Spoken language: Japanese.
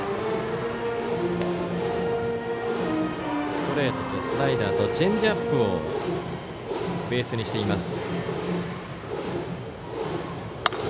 ストレートとスライダーとチェンジアップをベースにしています。